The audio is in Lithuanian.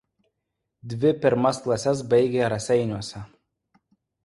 Dvi pirmas klases baigė Raseiniuose.